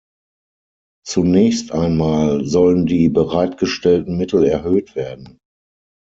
Zunächst einmal sollen die bereitgestellten Mittel erhöht werden.